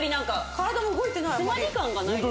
体も動いてない。